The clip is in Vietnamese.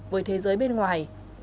với thế giới